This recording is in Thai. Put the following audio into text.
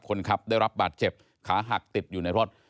คนขับได้รับบาดเจ็บขาหักติดอยู่ในรถ